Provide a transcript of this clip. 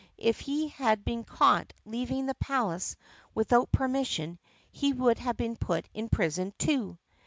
If he had been caught leaving the palace without permission he would have been put in prison, too.